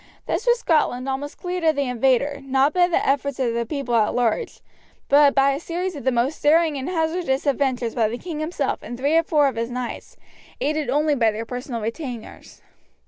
Thus was Scotland almost cleared of the invader, not by the efforts of the people at large, but by a series of the most daring and hazardous adventures by the king himself and three or four of his knights, aided only by their personal retainers.